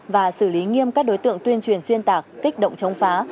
và xử lý nghiêm các đối tượng tuyên truyền xuyên tạc kích động chống phá